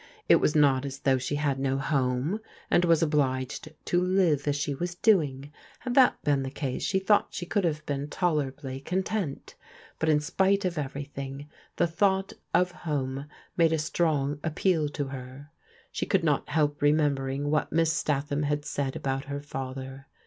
It was not as though she had no home, and was obliged to live as she was doing. Had that been the case, she thought she could have been tolerably content ; but in spite of ever3rthing, the thought of home made a strong appeal to her. She could not help remembering what Miss Statham had said about her father.